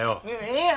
ええやん。